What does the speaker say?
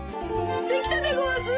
できたでごわす。